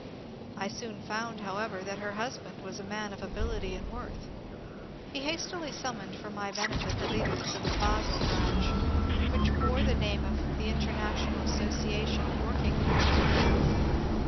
I soon found, however, that her husband was a man of ability and worth. He hastily summoned for my benefit the leaders of the Basle branch, which bore the name of the *' International Association of Workingmen."